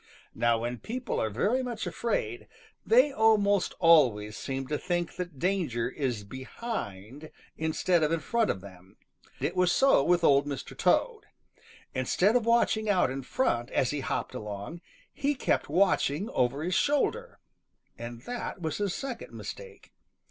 Now when people are very much afraid, they almost always seem to think that danger is behind instead of in front of them. It was so with Old Mr. Toad. Instead of watching out in front as he hopped along, he kept watching over his shoulder, and that was his second mistake.